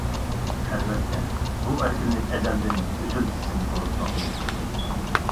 ئەلۋەتتە، بۇ ئەركىنلىك ئەزەلدىن ئۈزۈل-كېسىل بولۇپ باقمىدى.